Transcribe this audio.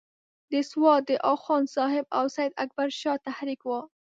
د سوات د اخوند صاحب او سید اکبر شاه تحریک وو.